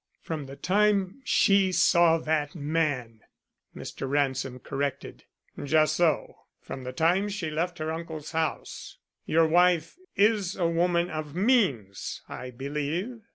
"From the time she saw that man," Mr. Ransom corrected. "Just so; from the time she left her uncle's house. Your wife is a woman of means, I believe."